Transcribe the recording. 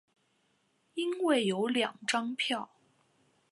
因为有两张票